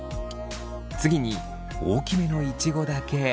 次に大きめのイチゴだけ。